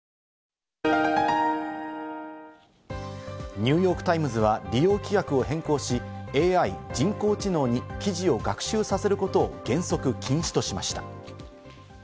ニューヨーク・タイムズは利用規約を変更し、ＡＩ＝人工知能に記事を学習させることを原則禁止としました。